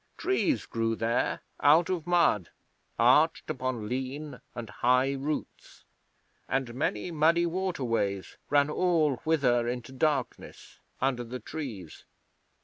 Trees grew there out of mud, arched upon lean and high roots, and many muddy waterways ran all whither into darkness, under the trees.